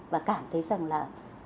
và cảm thấy rằng là